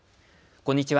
こんにちは。